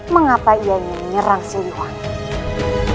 mengapa ia menyerang si luwani